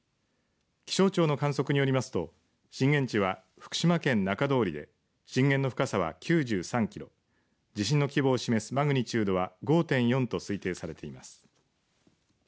気象庁の観測によりますと震源地は、福島県中通りで震源の深さは９３キロ地震の規模を示すマグニチュードは５．４と推定されています。